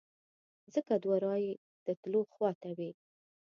ځکه دوه رایې د تلو خواته وې.